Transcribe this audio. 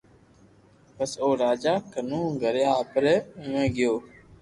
پسي او راجا ڪنو گھري آپري آوي گيو